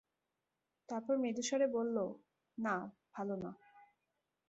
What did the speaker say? তারপর মৃদুস্বরে বলল, না, ভালো না।